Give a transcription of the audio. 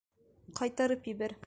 Ҡайтарып ебәр!